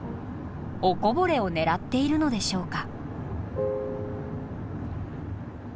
おこぼれを狙っているのでしょうか。